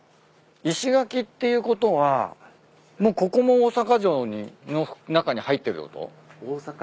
石垣っていうことはここも大阪城の中に入ってるってこと？